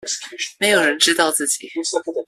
沒有人知道自己